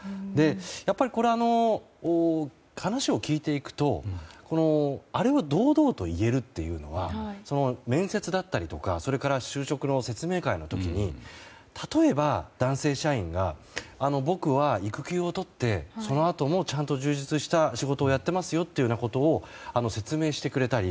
やっぱり、話を聞いていくとあれを堂々と言えるっていうのは面接だったり就職の説明会の時に例えば、男性社員が僕は育休を取ってそのあともちゃんと充実した仕事をやっていますよというようなことを説明してくれたり。